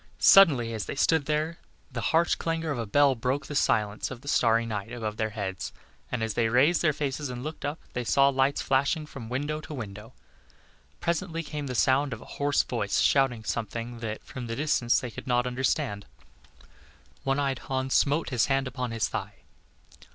Suddenly, as they stood there, the harsh clangor of a bell broke the silence of the starry night above their heads, and as they raised their faces and looked up, they saw lights flashing from window to window. Presently came the sound of a hoarse voice shouting something that, from the distance, they could not understand. One eyed Hans smote his hand upon his thigh.